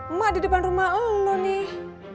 emak di depan rumah allah nih